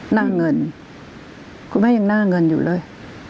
หน้าเงินคุณแม่ยังหน้าเงินอยู่เลย